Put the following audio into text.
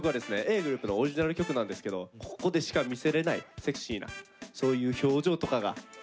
ｇｒｏｕｐのオリジナル曲なんですけどここでしか見せれないセクシーなそういう表情とかが見どころですね。